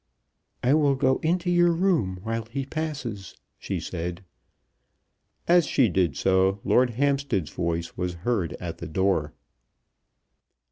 "I will go into your room while he passes," she said. As she did so Lord Hampstead's voice was heard at the door.